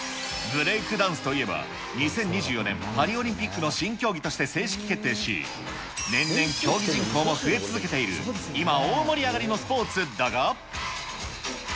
ブレイクダンスといえば２０２４年パリオリンピックの新競技として正式決定し、年々、競技人口も増え続けている、今大盛り上がりのスポーツだが。